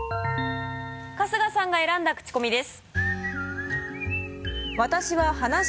春日さんが選んだクチコミです。